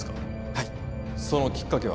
はいそのきっかけは？